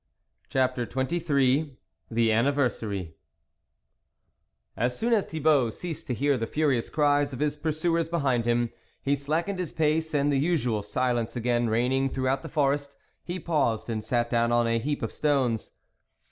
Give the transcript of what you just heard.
CHAPTER XXIII THE ANNIVERSARY S soon as Thibault ceased to hear _ the furious cries of his pursuers Behind him, he slackened his pace, and the usual silence again reigning through out the forest, he paused and sat down on a heap of stones.